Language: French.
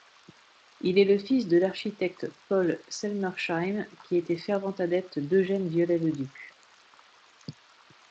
Il est le fils de l'architecte Paul Selmersheim qui était fervent adepte d'Eugène Viollet-le-Duc.